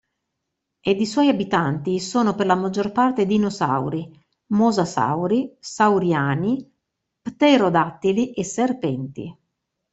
Ed i suoi abitanti sono per la maggior parte dinosauri, mosasauri, sauriani, pterodattili e serpenti.